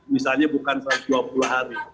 misalnya bukan satu ratus dua puluh hari